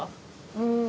うん。